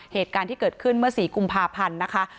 เหตุการณ์ที่เกิดขึ้นเมื่อ๔กุมภาพันธ์นะคะ